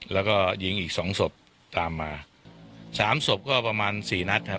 แล้วก็ยิงอีกสองศพตามมาสามศพก็ประมาณสี่นัดครับ